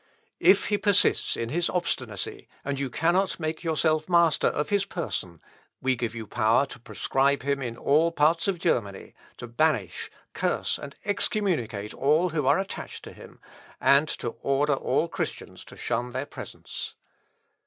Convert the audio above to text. "If he persists in his obstinacy, and you cannot make yourself master of his person, we give you power to proscribe him in all parts of Germany, to banish, curse, and excommunicate all who are attached to him, and to order all Christians to shun their presence."